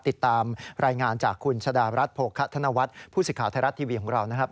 ติดตามรายงานจากคุณชะดารัฐโภคะธนวัฒน์ผู้สื่อข่าวไทยรัฐทีวีของเรานะครับ